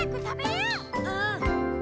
うん！